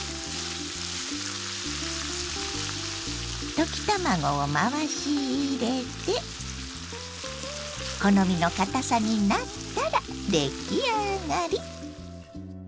溶き卵を回し入れて好みのかたさになったら出来上がり！